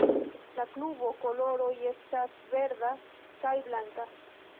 La klubo koloroj estas verda kaj blanka.